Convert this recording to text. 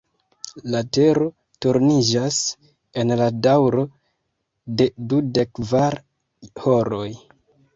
La Tero turniĝas en la daŭro de dudekkvar horoj.